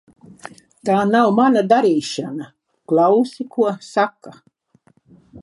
Tā nav mana darīšana. Klausi, ko saka.